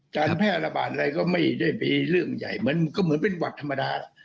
การแพร่ระบาดอะไรก็ไม่ได้ไปเรื่องใหญ่เหมือนก็เหมือนเป็นหวัดธรรมดา